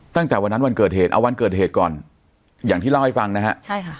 ตั้งแต่วันนั้นวันเกิดเหตุเอาวันเกิดเหตุก่อนอย่างที่เล่าให้ฟังนะฮะใช่ค่ะ